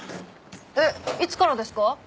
えっいつからですか？